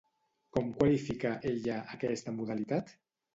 Com qualifica, ella, aquesta modalitat?